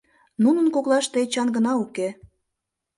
Нунын коклаште Эчан гына уке.